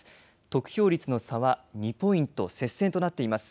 得票率の差は２ポイント、接戦となっています。